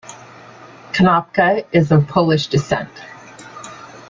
Konopka is of Polish descent.